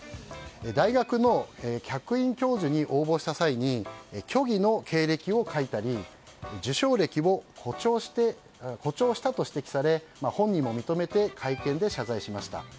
大学の客員教授に応募した際に虚偽の経歴を書いたり受賞歴も誇張したと指摘され本人も認めて会見で謝罪しました。